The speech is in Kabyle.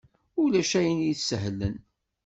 Ulac ayen i isehlen!